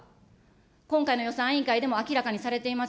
今回の予算委員会でも明らかにされています。